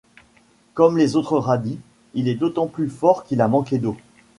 Comme les autres radis, il est d'autant plus fort qu'il a manqué d'eau.